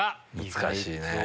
難しいね。